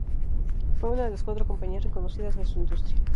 Fue una de las cuatro compañías reconocidas en su industria.